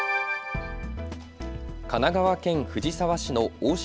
神奈川県藤沢市の大清